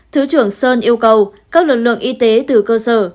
thứ trưởng sơn yêu cầu các lực lượng y tế từ cơ sở